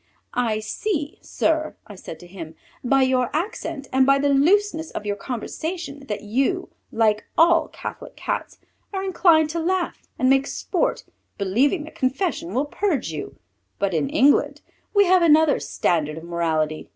"I see, sir," I said to him, "by your accent and by the looseness of your conversation, that you, like all Catholic Cats, are inclined to laugh and make sport, believing that confession will purge you, but in England we have another standard of morality.